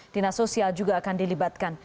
dinas sosial juga akan dilibatkan